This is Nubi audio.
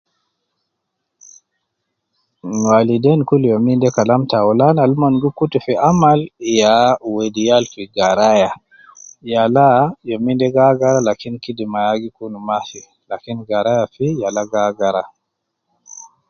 Waleidein kul youm inde Kalam taulan al mon gi kutu fi amal ya wedi yal fi garaya, yala youm inde gi agara lakin kidima ah gi kun Mafi lakin garaya fi yala gi agara